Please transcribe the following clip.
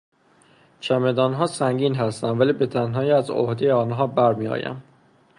چمدانها سنگین هستند ولی به تنهایی از عهدهی آنها برمیآیم.